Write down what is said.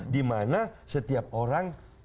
di mana setiap orang